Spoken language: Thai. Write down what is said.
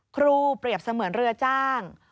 เปรียบเสมือนเรือจ้าง